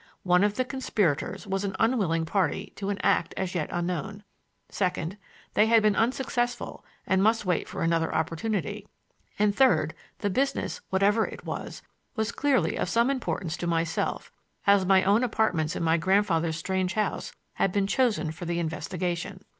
One of the conspirators was an unwilling party to an act as yet unknown; second, they had been unsuccessful and must wait for another opportunity; and third, the business, whatever it was, was clearly of some importance to myself, as my own apartments in my grandfather's strange house had been chosen for the investigation.